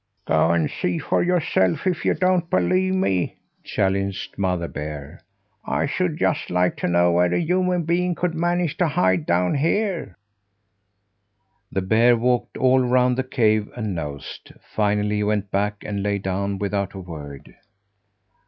"Go and see for yourself if you don't believe me!" challenged Mother Bear. "I should just like to know where a human being could manage to hide down here?" The bear walked all around the cave, and nosed. Finally he went back and lay down without a word.